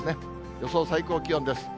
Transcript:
予想最高気温です。